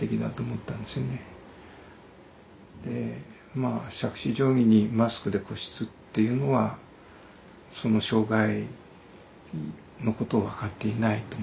まあしゃくし定規にマスクで個室っていうのはその障害のことを分かっていないと思ったんですよね。